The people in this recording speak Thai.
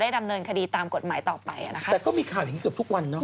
แต่ก็มีข่าวอย่างนี้เกือบทุกวันเนอะ